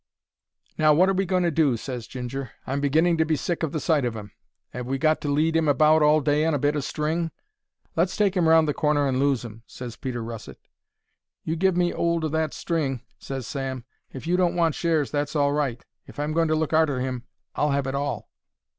"Now, wot are we going to do?" ses Ginger. "I'm beginning to be sick of the sight of 'im. 'Ave we got to lead 'im about all day on a bit o' string?" "Let's take 'im round the corner and lose 'im," ses Peter Russet. "You give me 'old o' that string," ses Sam. "If you don't want shares, that's all right. If I'm going to look arter 'im I'll 'ave it all."